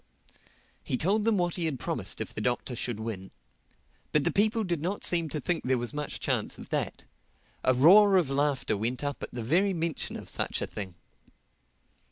He told them what he had promised if the Doctor should win. But the people did not seem to think there was much chance of that. A roar of laughter went up at the very mention of such a thing.